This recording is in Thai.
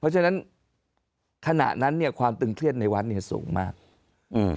เพราะฉะนั้นขณะนั้นเนี้ยความตึงเครียดในวัดเนี่ยสูงมากอืม